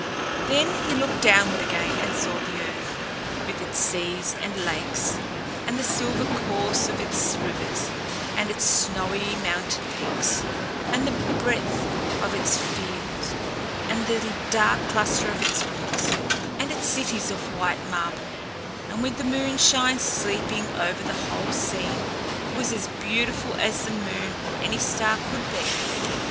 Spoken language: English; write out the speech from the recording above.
Then he looked downward again and saw the earth, with its seas and lakes, and the silver course of its rivers, and its snowy mountain peaks, and the breath of its fields, and the dark cluster of its woods, and its cities of white marble; and with the moonshine sleeping over the whole scene, it was as beautiful as the moon or any star could be.